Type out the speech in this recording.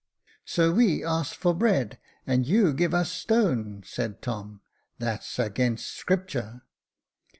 " So we ask for bread, and you give us a stone," said Tom ;" that's 'gainst Scripture."